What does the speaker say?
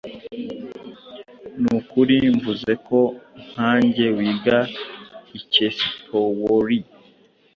Nukuri mvuze ko, nkanjye, wiga icyesipaoli?